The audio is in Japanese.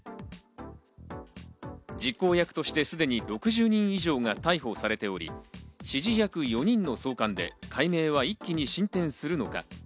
実行役として、すでに６０人以上が逮捕されており、指示役４人の送還で解明は一気に進展するのか？